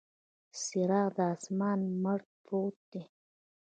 څراغ د اسمان، مړ پروت دی